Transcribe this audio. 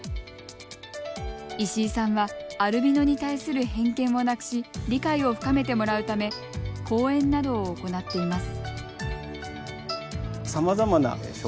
石井さんはアルビノに対する偏見をなくし理解を深めてもらうため講演などを行っています。